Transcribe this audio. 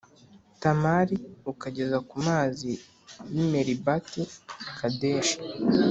Tamari ukageza ku mazi y i Meribati Kadeshi